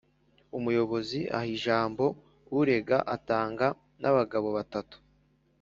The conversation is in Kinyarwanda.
umuyobozi aha ijambo urega atanga n’abagabo batatu